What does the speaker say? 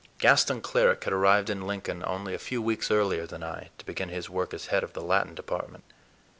Gaston Cleric had arrived in Lincoln only a few weeks earlier than I, to begin his work as head of the Latin Department.